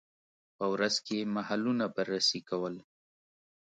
په ورځ کې یې محلونه بررسي کول.